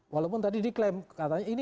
walaupun tadi diklaim katanya ini